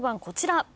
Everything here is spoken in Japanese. こちら。